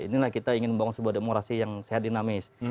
inilah kita ingin membangun sebuah demokrasi yang sehat dinamis